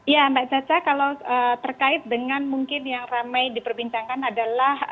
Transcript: ya mbak caca kalau terkait dengan mungkin yang ramai diperbincangkan adalah